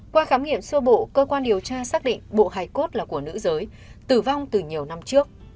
qua khám nghiệm sơ bộ cơ quan điều tra xác định bộ hải cốt là của nữ giới tử vong từ nhiều năm trước